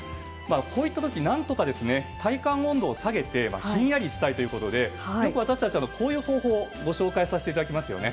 こういった時何とか体感温度を下げてひんやりしたいということでよく私たちこういう方法をご紹介していますよね。